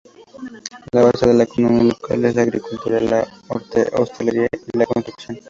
La base de la economía local es la agricultura, la hostelería y la construcción.